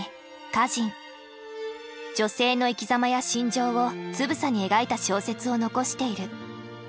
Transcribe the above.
女性の生きざまや心情をつぶさに描いた小説を残している。